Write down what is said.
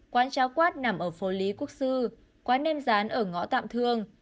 quán cháo quát nằm ở phố lý quốc sư quán nem rán ở ngõ tạm thương